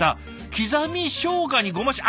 刻みしょうがにごま塩」。